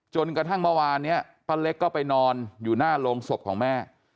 จนกระทั่งเมื่อวานนี้ป้าเล็กก็ไปนอนอยู่หน้าโรงศพของแม่